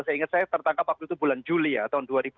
saya ingat saya tertangkap waktu itu bulan juli ya tahun dua ribu dua